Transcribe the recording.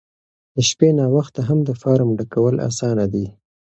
د شپې ناوخته هم د فارم ډکول اسانه دي.